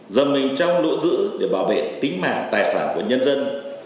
dòng mình trong lũ dữ để bảo vệ tính mạng tài sản của nhân dân